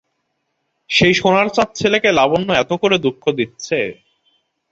সেই সোনার চাঁদ ছেলেকে লাবণ্য এত করে দুঃখ দিচ্ছে।